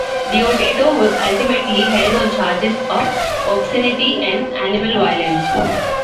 Deodato was ultimately held on charges of obscenity and animal violence.